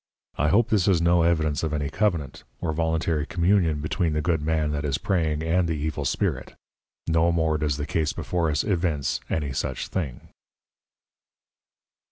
I hope this is no evidence of any Covenant, or voluntary Communion between the Good Man that is Praying and the Evil Spirit; no more does the Case before us evince any such thing.